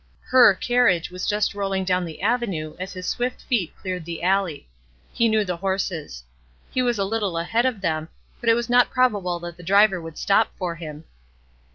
"Her" carriage was just rolling down the avenue as his swift feet cleared the alley. He knew the horses. He was a little ahead of them; but it was not probable that the driver would stop for him.